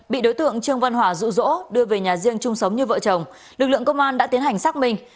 bị đối tượng trương văn hòa rụ rỗ đưa về nhà riêng chung sống như vợ chồng lực lượng công an đã tiến hành xác minh